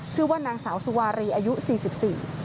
ชื่อว่านางสาวสุวารีอายุสี่สิบสี่